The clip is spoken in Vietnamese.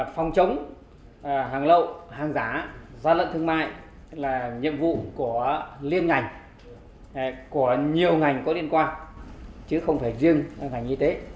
phòng chống hàng lậu hàng giả lận thương mại là nhiệm vụ của liên ngành của nhiều ngành có liên quan chứ không phải riêng ngành y tế